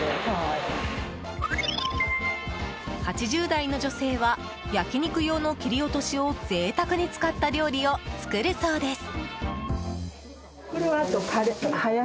８０代の女性は焼き肉用の切り落としを贅沢に使った料理を作るそうです。